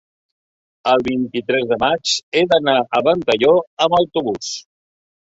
el vint-i-tres de maig he d'anar a Ventalló amb autobús.